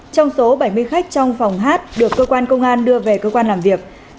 trong số bảy mươi khách trong phòng hát được cơ quan công an đưa về cơ quan làm việc